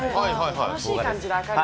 楽しい感じだ、明るい。